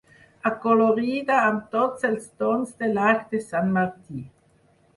Acolorida amb tots els tons de l'arc de sant Martí.